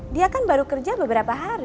dia kan baru kerja beberapa hari